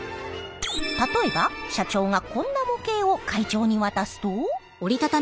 例えば社長がこんな模型を会長に渡すと？